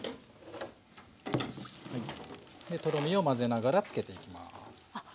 でとろみを混ぜながらつけていきます。